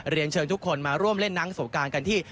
เรียนเชิญทุกคนมาร่วมเล่นนังสวบการณ์กันที่